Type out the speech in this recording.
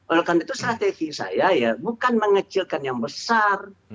oleh karena itu strategi saya ya bukan mengecilkan yang besar